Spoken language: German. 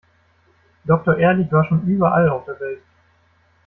Doktor Ehrlich war schon überall auf der Welt.